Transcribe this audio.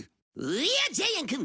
いやジャイアンくん